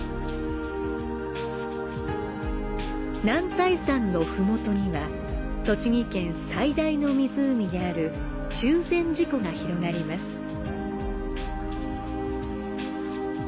男体山のふもとには、栃木県最大の湖である中禅寺湖が広がります。